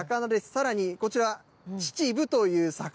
さらにこちら、チチブという魚。